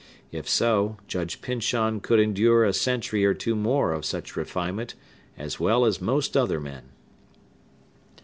If so, Judge Pyncheon could endure a century or two more of such refinement as well as most other men.